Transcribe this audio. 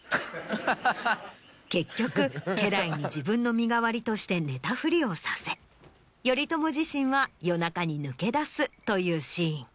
結局家来に自分の身代わりとして寝たふりをさせ頼朝自身は夜中に抜け出すというシーン。